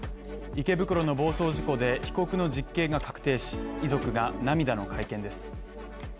池袋の暴走事故で被告の実刑が確定し遺族が涙の会見です。